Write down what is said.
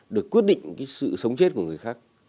được quyết định cái sự sống chết của người khác